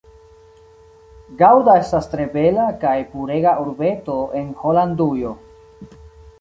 Gaŭda estas tre bela kaj purega urbeto en Holandujo.